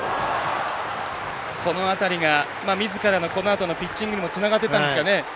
この辺りがみずからのこのあとのピッチングにもつながっていたんですかね。